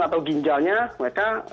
atau ginjalnya mereka